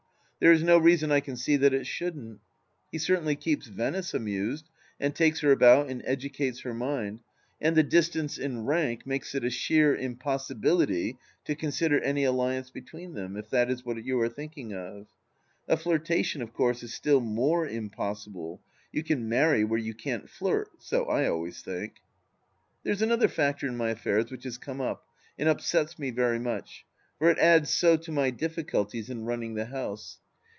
There is no reason I can see that it shouldn't. He certainly keeps Venice amused, and takes her about and educates her mind, and the distance in rank makes it a sheer impossibility to consider any alliance between them, if that is what you are thinking of. A flirtation, of course, is still more impossible ; you can marry where you can't flirt, so I always think. There is another factor in my affairs which has come up, and upsets me very much, for it adds so to my difiiculties in running the house.